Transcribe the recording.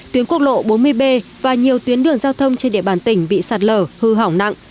tuyến quốc lộ bốn mươi b và nhiều tuyến đường giao thông trên địa bàn tỉnh bị sạt lở hư hỏng nặng